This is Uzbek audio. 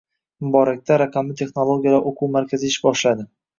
Muborakda raqamli texnologiyalar o‘quv markazi ish boshladi